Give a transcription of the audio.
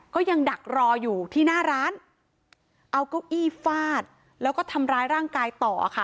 ก็ยังดักรออยู่ที่หน้าร้านเอาเก้าอี้ฟาดแล้วก็ทำร้ายร่างกายต่อค่ะ